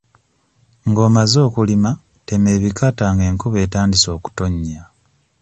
Ng'omaze okulima tema ebikata ng'enkuba etandise okutonnya.